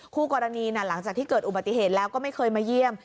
คู่กรณีหลังจากที่เกิดอุบัติเหตุแล้วก็ไม่เคยมาเยี่ยม